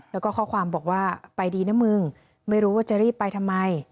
แล้วก็ข้อความบอกว่าไปดีนะมึงไม่รู้ว่าจะรีบไปทำไม